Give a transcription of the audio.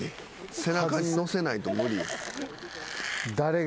背中にのせないと無理。